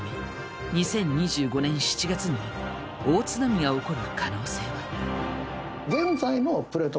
２０２５年７月に大津波が起こる可能性は？